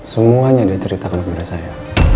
semuanya dia ceritakan kepada saya